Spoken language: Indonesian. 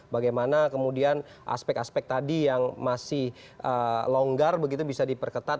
bagaimana kemudian aspek aspek tadi yang masih longgar begitu bisa diperketat